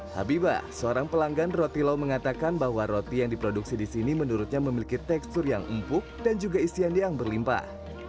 habibah seorang pelanggan roti lau mengatakan bahwa roti yang diproduksi di sini menurutnya memiliki tekstur yang empuk dan juga isian yang berlimpah